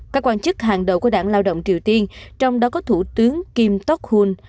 các quan chức hàng đầu của đảng lao động triều tiên trong đó có thủ tướng kim tok hun